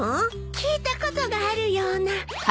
聞いたことがあるような。